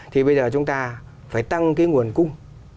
thì bây giờ chúng ta phải tăng cái nguồn cung